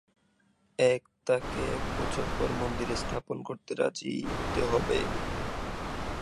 এক, তাকে এক বছর পর মন্দিরে স্থাপন করতে রাজি হতে হবে।